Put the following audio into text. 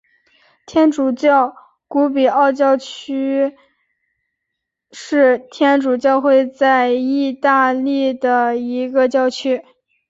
天主教古比奥教区是天主教会在义大利的一个教区。